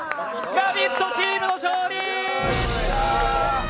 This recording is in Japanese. ラヴィットチームの勝利！